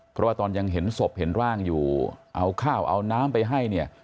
เพราะว่าตอนยังเห็นศพเห็นร่างอยู่เอาข้าวเอาน้ำไปให้เนี่ย